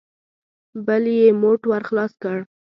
بل يې موټ ور خلاص کړ.